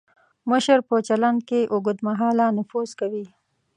مشر په چلند کې اوږد مهاله نفوذ کوي.